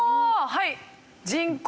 はい。